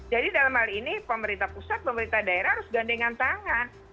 jadi dalam hal ini pemerintah pusat pemerintah daerah harus gandengan tangan